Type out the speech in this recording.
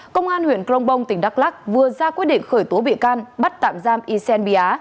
công an huyện cronbong tỉnh đắk lắc vừa ra quyết định khởi tố bị can bắt tạm giam ysen bia